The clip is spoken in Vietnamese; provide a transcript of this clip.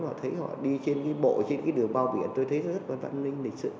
họ thấy họ đi trên đi bộ trên cái đường bao biển tôi thấy rất có văn minh lịch sự